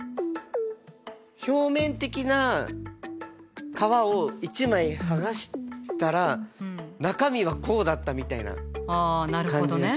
表面的な皮を一枚剥がしたら中身はこうだったみたいな感じがしますね。